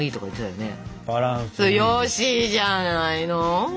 よろしいじゃないの！